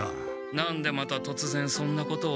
何でまたとつぜんそんなことを？